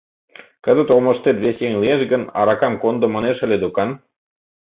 Кызыт олмыштет вес еҥ лиеш гын, аракам кондо манеш ыле докан.